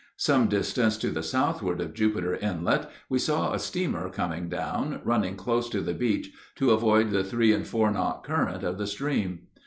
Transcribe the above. Some distance to the southward of Jupiter Inlet we saw a steamer coming down, running close to the beach to avoid the three and four knot current of the stream.